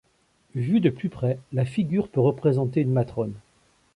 Vu de plus près, la figure peut représenter une matrone.